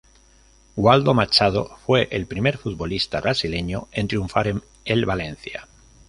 Waldo Machado fue el primer futbolista brasileño en triunfar en el Valencia.